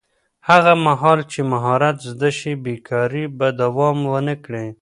هغه مهال چې مهارت زده شي، بېکاري به دوام ونه کړي.